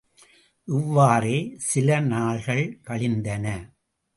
இவ்வாறே சில நாள்கள் கழிந்தன.